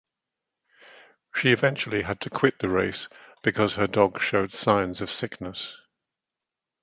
She eventually had to quit the race because her dogs showed signs of sickness.